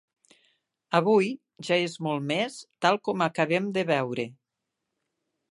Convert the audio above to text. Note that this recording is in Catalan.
Avui, ja és molt més, tal com acabem de veure.